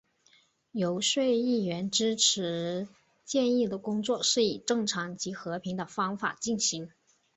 游说议员支持建议的工作是以正常及和平的方法进行。